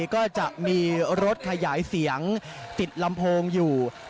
ก็จะมีรถขยายเสียงติดลำโพงอยู่